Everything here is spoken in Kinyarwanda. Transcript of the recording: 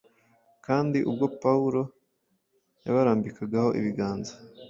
kandi ubwo Pawulo ” yabarambikagaho ibiganza,”